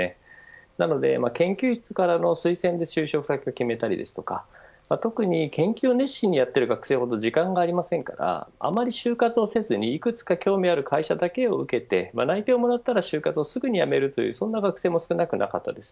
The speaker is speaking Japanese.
なので、研究室からの推薦で就職先を決めたり特に研究を熱心にやっている学生ほど時間がありませんからあまり就活をせずにいくつか興味ある会社だけを受けて内定をもらったら就活をすぐにやめるという、そんな学生も少なくなかったです。